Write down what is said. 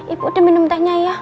ibu udah minum tehnya ya